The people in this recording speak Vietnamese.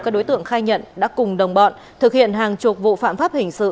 các đối tượng khai nhận đã cùng đồng bọn thực hiện hàng chục vụ phạm pháp hình sự